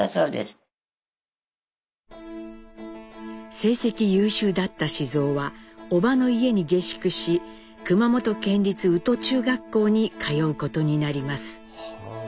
成績優秀だった雄は伯母の家に下宿し熊本県立宇土中学校に通うことになります。